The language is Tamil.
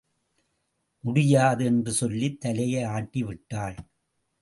முடியாது என்று சொல்லித் தலையை ஆட்டி விட்டாள்.